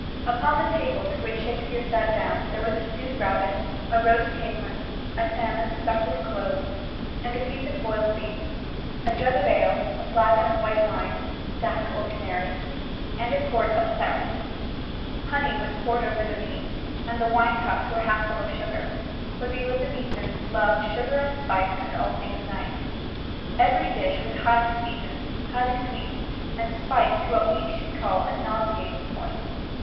Upon the table to which Shakespeare sat down there were a stewed rabbit, a roast capon, a salmon stuck with cloves, and a piece of boiled beef; a jug of ale, a flagon of white wine (sack or canary) and a quart of claret. Honey was poured over the meat, and the wine cups were half full of sugar. For the Elizabethans loved "sugar and spice and all things nice." Every dish was highly seasoned, highly sweetened, and spiced to what we should call a nauseating point.